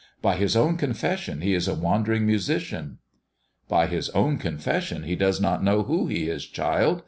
By his own confession he is a wandering musician." " By his own confession he does not know who he is, child.